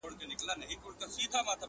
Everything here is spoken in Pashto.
بل خوشاله په درملو وايي زېری مي درباندي!!